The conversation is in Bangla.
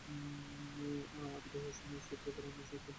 আবিদা হুসেন সৈয়দ ফখর ইমামের সাথে বিবাহবন্ধনে আবদ্ধ হয়েছিলেন।